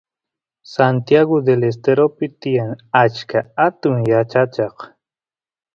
Santiagu Del Esteropi tiyan achka atun yachacheq